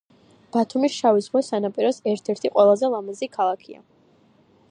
ბათუმი შავი ზღვის სანაპიროს ერთ-ერთი ყველაზე ლამაზი ქალაქია